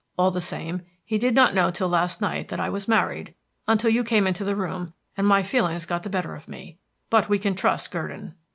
All the same, he did not know till last night that I was married until you came into the room and my feelings got the better of me. But we can trust Gurdon."